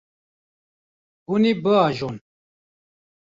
Hûn ê biajon.